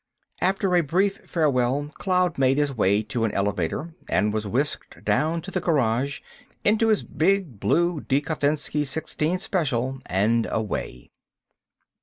After a brief farewell Cloud made his way to an elevator and was whisked down to the garage. Into his big blue DeKhotinsky Sixteen Special and away.